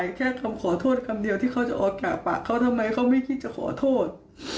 แค่คำขอโทษคำเดียวที่เขาจะออกกราบปากเขาทำไมเขาไม่คิดจะขอโทษ